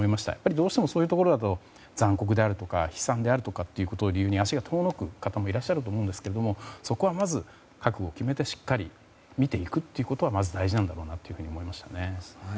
どうしてもそういうところだと残酷であるとか悲惨であるとかっていうことを理由に、足が遠のく方もいらっしゃると思いますがそこはまず覚悟を決めてしっかりと見ていくということがまず大事なんだろうと思います。